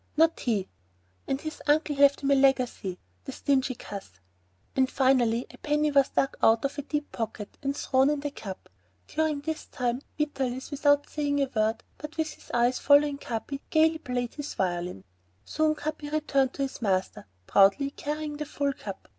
"Not he!" "And his uncle left him a legacy! The stingy cuss!" And, finally, a penny was dug out of a deep pocket and thrown into the cup. During this time, Vitalis, without saying a word, but with his eyes following Capi, gayly played his violin. Soon Capi returned to his master, proudly carrying the full cup.